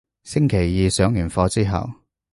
星期二上完課之後